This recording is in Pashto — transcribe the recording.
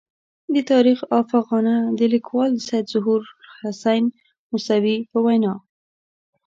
د تاریخ افاغنه د لیکوال سید ظهور الحسین موسوي په وینا.